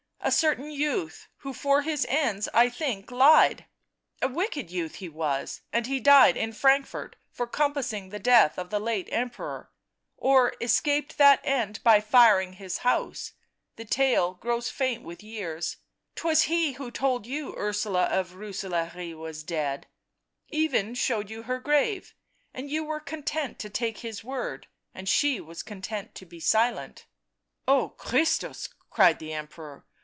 " A certain youth, who, for his own ends, I think, lied, a wicked youth he was, and he died in Frank fort for compassing the death of the late Emperor — or escaped that end by firing his house, the tale grows faint with years; 'twas he who told you Ursula of Rooselaare was dead; he even showed you her grave— and you were content to take his word — and she was content to be silent." " Oh, Christus !" cried the Emperor.